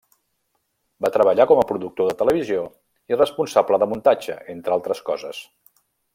Va treballar com a productor de televisió i responsable de muntatge, entre altres coses.